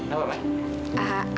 eh apa mai